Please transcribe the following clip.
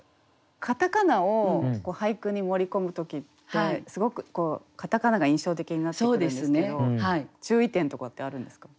片仮名を俳句に盛り込む時ってすごく片仮名が印象的になってくるんですけど注意点とかってあるんですか？